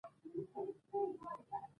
احمدشاه بابا د ملي ارزښتونو ساتونکی و.